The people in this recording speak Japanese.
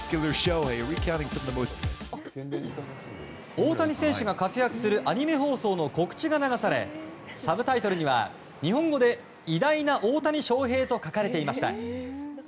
大谷選手が活躍するアニメ放送の告知が流されサブタイトルには日本語で「偉大な大谷翔平」と書かれていました。